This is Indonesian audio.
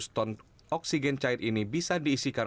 satu dua ratus ton oksigen cair ini bisa diisikan